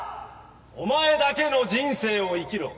お前だけの人生を生きろ。